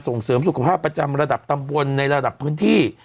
ส่งเสริมสุขภาพประจำระดับตำบลในระดับพื้นที่